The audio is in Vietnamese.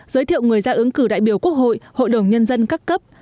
giới thiệu người ra ứng cử đại biểu quốc hội hội đồng nhân dân các cấp